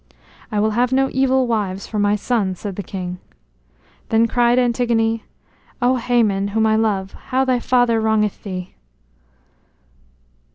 "I will have no evil wives for my sons," said the king. Then cried Antigone: "O Hæmon, whom I love, how thy father wrongeth thee!"